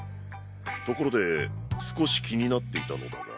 ところで少し気になっていたのだが。